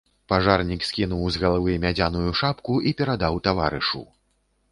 Пажарнік скінуў з галавы мядзяную шапку і перадаў таварышу.